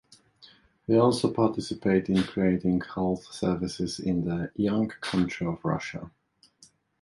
He also participated in creating health services in the "young country" of Russia.